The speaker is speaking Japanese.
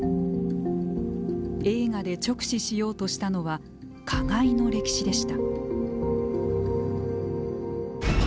映画で直視しようとしたのは加害の歴史でした。